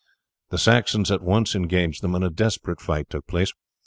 The Saxons at once engaged them, and a desperate fight took place.